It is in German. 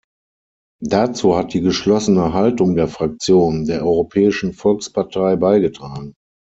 Dazu hat die geschlossene Haltung der Fraktion der Europäischen Volkspartei beigetragen.